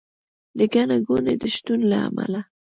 د ګڼه ګوڼې د شتون له امله